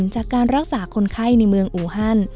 จากการรักษาคนไข้ในเมืองอูฮัน